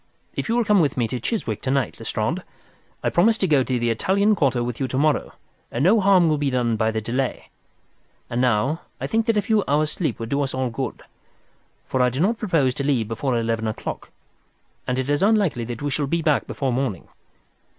If you will come with me to Chiswick to night, Lestrade, I'll promise to go to the Italian Quarter with you to morrow, and no harm will be done by the delay. And now I think that a few hours' sleep would do us all good, for I do not propose to leave before eleven o'clock, and it is unlikely that we shall be back before morning.